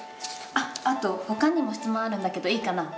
あっあとほかにも質問あるんだけどいいかな？